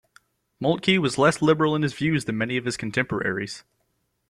Moltke was less liberal in his views than many of his contemporaries.